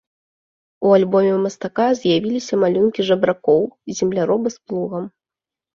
У альбоме мастака з'явіліся малюнкі жабракоў, земляроба з плугам.